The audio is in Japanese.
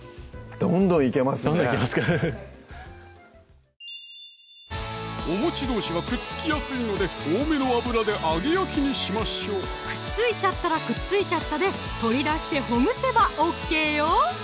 どんどんいけますかおどうしはくっつきやすいので多めの油で揚げ焼きにしましょうくっついちゃったらくっついちゃったで取り出してほぐせばＯＫよ